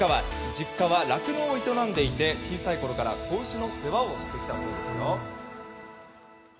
実家は酪農を営み小さいころから子牛の世話をしてきたそうです。